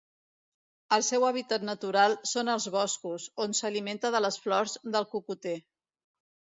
El seu hàbitat natural són els boscos, on s'alimenta de les flors del cocoter.